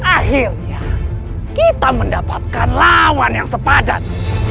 akhirnya kita mendapatkan lawan yang sepadan